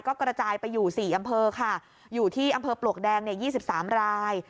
ก็กระจายไปอยู่๔อำเภอค่ะอยู่ที่อำเภอปลวกแดง๒๓ราย